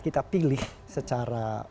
kita pilih secara